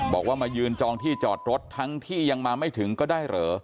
บอกว่ามายืนจองที่จอดรถทั้งที่ยังมาไม่ถึงก็ได้เหรอ